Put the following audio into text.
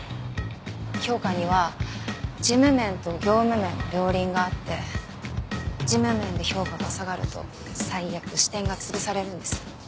評価には事務面と業績面の両輪があって事務面で評価が下がると最悪支店が潰されるんです。